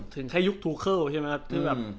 ถึงแค่ยุคทูเคิลใช่มั้ยครับ